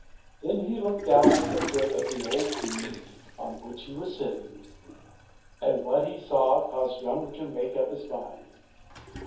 Then he looked down at the foot of the old tree on which he was sitting, and what he saw caused Drummer to make up his mind.